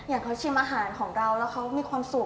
อย่างเขาชิมอาหารของเราแล้วเขามีความสุข